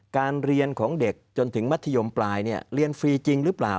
การเรียนของเด็กจนถึงมัธยมปลายเรียนฟรีจริงหรือเปล่า